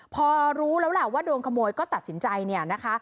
พอรู้แล้วล่ะว่าโดนขโมยก็ตัดสินใจเนี่ยนะคะ